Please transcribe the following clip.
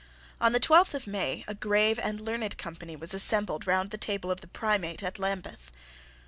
On the twelfth of May a grave and learned company was assembled round the table of the Primate at Lambeth.